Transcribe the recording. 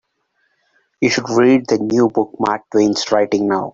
You should read the new book Mark Twain's writing now.